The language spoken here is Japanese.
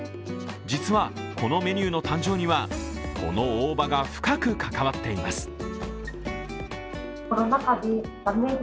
実は、このメニューの誕生にはこの大葉が深く関わっています。